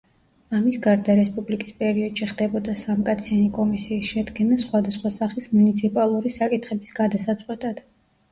ამის გარდა რესპუბლიკის პერიოდში ხდებოდა სამკაციანი კომისიის შედგენა სხვადასხვა სახის მუნიციპალური საკითხების გადასაწყვეტად.